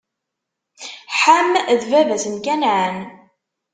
Ḥam, d baba-s n Kanɛan.